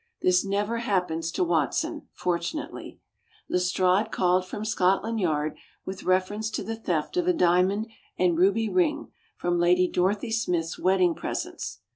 (This never happens to Watson, fortunately.) Lestrade called from Scotland Yard with reference to the theft of a diamond and ruby ring from Lady Dorothy Smith's wedding presents.